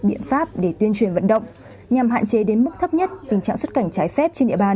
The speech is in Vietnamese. biện pháp để tuyên truyền vận động nhằm hạn chế đến mức thấp nhất tình trạng xuất cảnh trái phép trên địa bàn